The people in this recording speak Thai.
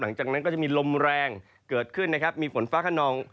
หลังจากนั้นก็จะมีลมแรงเกิดขึ้นนะครับมีฝนฟ้าขนอง